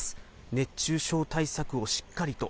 熱中症対策をしっかりと。